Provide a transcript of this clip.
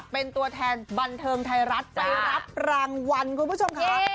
เป็นตัวแทนบันเทิงไทยรัฐไปรับรางวัลคุณผู้ชมครับ